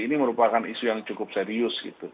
ini merupakan isu yang cukup serius gitu